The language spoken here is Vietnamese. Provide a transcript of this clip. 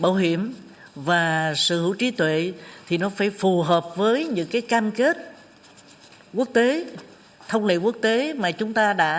nhiều ý kiến cho rằng